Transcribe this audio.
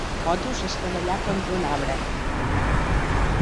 La moto s'estavellà contra un arbre.